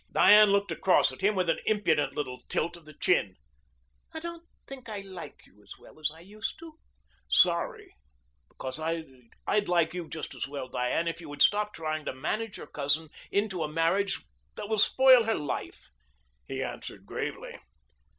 Diane looked across at him with an impudent little tilt of the chin. "I don't think I like you as well as I used to." "Sorry, because I'd like you just as well, Diane, if you would stop trying to manage your cousin into a marriage that will spoil her life," he answered gravely.